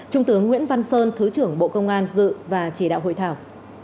trung tướng nguyễn văn sơn thứ trưởng bộ công an dự và chỉ đạo hội thảo